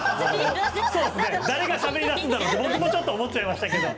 誰がしゃべり出すんだろうと僕もちょっと思っちゃいましたけれども。